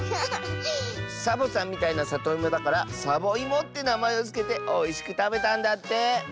サボさんみたいなさといもだから「サボいも」ってなまえをつけておいしくたべたんだって。